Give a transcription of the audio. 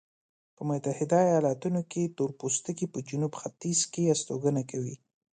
په متحده ایلاتونو کې تورپوستکي په جنوب ختیځ کې استوګنه کوي.